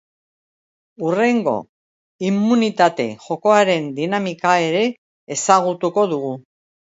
Hurrengo immunitate jokoaren dinamika ere ezagutuko dugu.